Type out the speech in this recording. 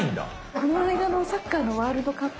この間のサッカーのワールドカップ。